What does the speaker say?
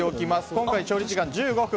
今回、調理時間は１５分。